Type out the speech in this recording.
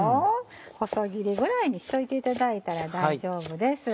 細切りぐらいにしといていただいたら大丈夫です。